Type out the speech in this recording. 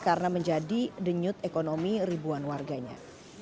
karena menjadi denyut ekonomi ribuan warganya